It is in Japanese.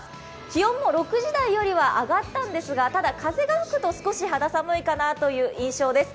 気温も６時台よりは上がったんですがただ風が吹くと少し肌寒いかなという印象です。